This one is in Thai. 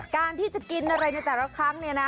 การที่จะกินอะไรในแต่ละครั้งเนี่ยนะ